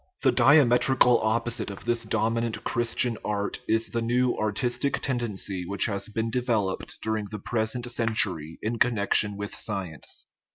The diametrical opposite of this dominant Christian 340 OUR MONISTIC RELIGION art is the new artistic tendency which has been devel oped during the present century in connection with science.